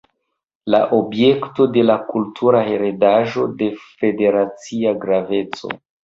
La objekto de kultura heredaĵo de Federacia graveco.